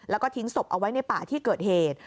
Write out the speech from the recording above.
แล้วก็ทิ้งศพเอาไว้ในป่าที่เกิดเหตุ